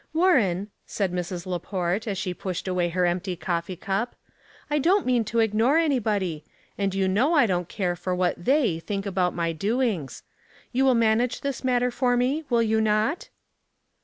Light 281 *' Warren," said Mrs. Laport, as she pushed away her empty coffee cup, " I don't mean to ignore anybody; and 3^ou know I don't care for what * they ' think about my doings. You will manage tbis matter for me, will you not?